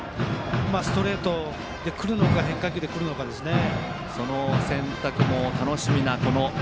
ストレートでくるのか変化球でくるのかですね。